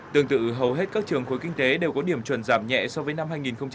tương tự hầu hết các trường khối kinh tế đều có điểm chuẩn giảm nhẹ so với năm hai nghìn một mươi tám